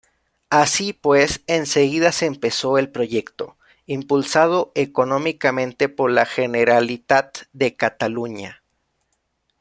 Así pues, enseguida se empezó el proyecto, impulsado económicamente por la Generalitat de Cataluña.